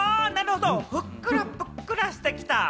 ぷっくらぷっくらしてきた。